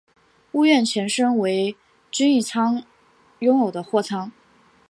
屋苑前身为均益仓拥有的货仓。